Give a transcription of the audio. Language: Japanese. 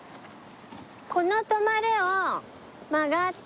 この「止まれ」を曲がって。